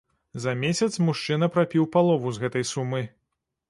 За месяц мужчына прапіў палову з гэтай сумы.